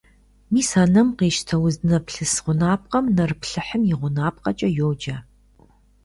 Мис а нэм къищтэ, уздынэплъыс гъунапкъэм нэрыплъыхьым и гъунапкъэкӀэ йоджэ.